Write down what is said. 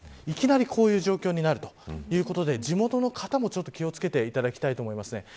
いきなりこういう状況になるということで地元の方も気を付けていただきたいと思います。